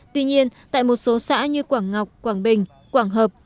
tuy nhiên tại một số xã như quảng ngọc quảng bình quảng hợp